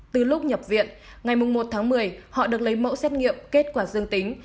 từ lúc nhập viện ngày một tháng một mươi họ được lấy mẫu xét nghiệm kết quả dương tính